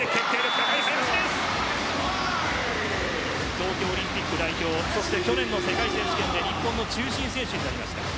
東京オリンピック代表そして去年の世界選手権で日本の中心選手になりました。